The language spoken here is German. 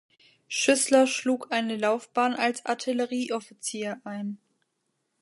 Schüßler schlug eine Laufbahn als Artillerieoffizier ein.